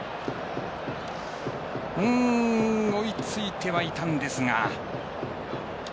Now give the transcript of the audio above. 追いついてはいたんですが。